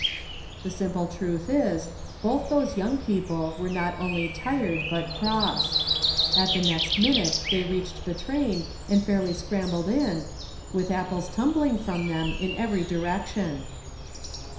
The simple truth is, both those young people were not only tired but cross. At the last min ute tbey reached the train and fairly scrambled 54 ''WHAT COULD HAPPEN?'' 55 in, with apples tumbling from them in every direction.